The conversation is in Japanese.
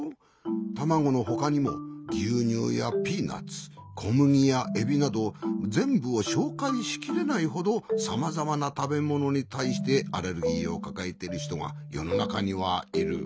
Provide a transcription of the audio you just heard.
たまごのほかにもぎゅうにゅうやピーナツこむぎやエビなどぜんぶをしょうかいしきれないほどさまざまなたべものにたいしてアレルギーをかかえてるひとがよのなかにはいる。